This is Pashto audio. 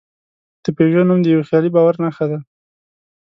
د پيژو نوم د یوه خیالي باور نښه ده.